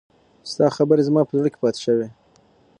ستا خبرې زما په زړه کې پاتې شوې.